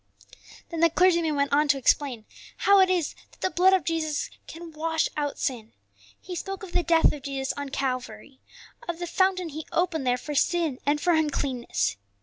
'" Then the clergyman went on to explain how it is that the blood of Jesus can wash out sin. He spoke of the death of Jesus on Calvary, of the fountain He opened there for sin and for uncleanness.